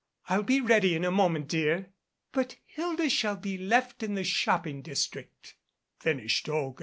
I'll be ready in a moment, dear." "But Hilda shall be left in the shopping district," fin ished Olga.